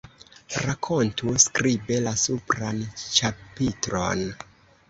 Rakontu skribe la supran ĉapitron.